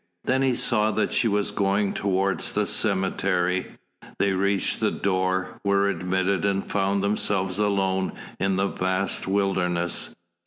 Then he saw that she was going towards the cemetery. They reached the door, were admitted and found themselves alone in the vast wilderness.